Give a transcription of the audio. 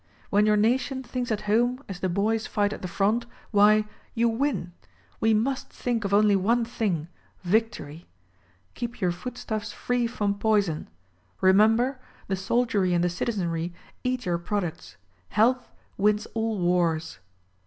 When your nation thinks at home as the boys fight at the front, why — you win! We must think of only one thing — victory. Keep your foodstuffs free from poison! Remember: The soldiery and the citizenry eat your pro ducts : Health wins all wars.